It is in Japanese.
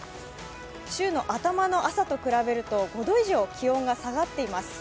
週の頭の朝と比べると５度以上気温が下がっています。